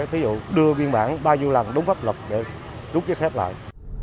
thí dụ đưa biên bản bao nhiêu lần đúng pháp luật để rút giấy phép lại